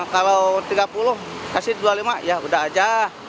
kalau tiga puluh kasih rp dua puluh lima ya udah aja